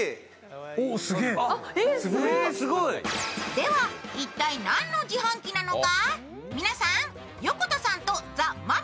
では、一体何の自販機なのか？